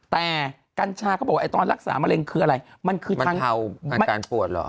แต่กัญชาเขาบอกว่าตอนรักษามะเร็งคืออะไรมันคือบรรเทาอาการปวดเหรอ